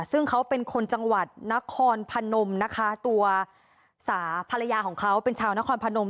ซึ่งเขาเป็นคนจังหวัดนครพนมนะคะตัวสาภรรยาของเขาเป็นชาวนครพนม